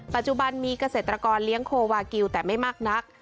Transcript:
ปัจจุบันมีเกษตรกรเลี้ยงโควากิลแต่ไม่มากนัก